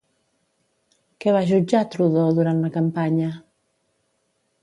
Què va jutjar Trudeau durant la campanya?